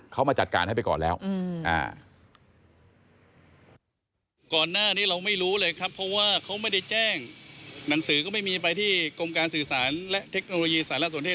เขามาจัดการให้ไปก่อนแล้ว